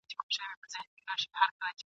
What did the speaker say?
د بادار په اشاره پرې کړي سرونه !.